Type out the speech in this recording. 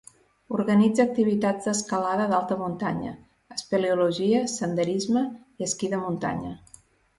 Organitza activitats d'escalada d'alta muntanya, espeleologia, senderisme i esquí de muntanya.